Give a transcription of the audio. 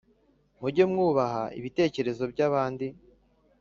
muge mwubaha ibitekerezo by’abandi,